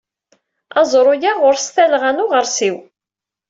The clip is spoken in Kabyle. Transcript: Aẓru-a ɣur-s talɣa n uɣersiw.